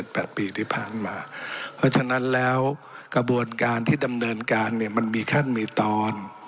เพราะฉะนั้นแล้วกระบวนการที่ดำเนินการเนี่ยมันมีขั้นมีตอน